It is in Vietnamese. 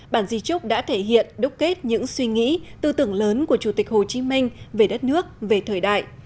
bản di trúc đã thể hiện đúc kết những suy nghĩ tư tưởng lớn của chủ tịch hồ chí minh về đất nước về thời đại